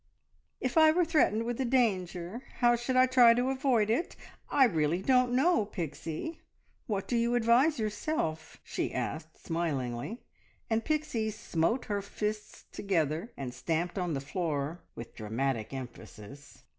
"If I were threatened with a danger, how should I try to avoid it? I really don't know, Pixie. What do you advise yourself?" she asked smilingly, and Pixie smote her fists together, and stamped on the floor with dramatic emphasis.